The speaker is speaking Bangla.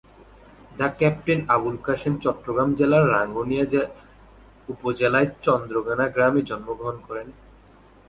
ডা ক্যাপ্টেন আবুল কাসেম চট্টগ্রাম জেলার রাঙ্গুনিয়া উপজেলার চন্দ্রঘোনা গ্রামে জন্মগ্রহণ করেন।